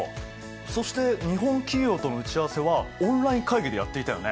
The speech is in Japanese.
そして日本企業との打ち合わせはオンライン会議でやっていたよね。